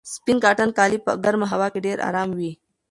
سپین کاټن کالي په ګرمه هوا کې ډېر ارام وي.